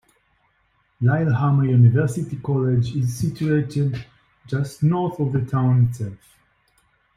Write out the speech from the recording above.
Lillehammer University College is situated just north of the town itself.